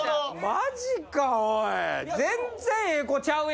マジかおい。